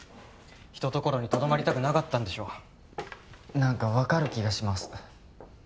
一ところにとどまりたくなかったんでしょ何か分かる気がします